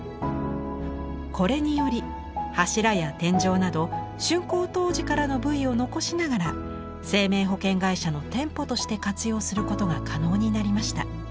これにより柱や天井など竣工当時からの部位を残しながら生命保険会社の店舗として活用することが可能になりました。